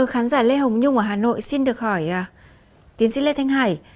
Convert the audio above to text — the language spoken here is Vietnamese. khán giả lê hồng nhung ở hà nội xin được hỏi tiến sĩ lê thanh hải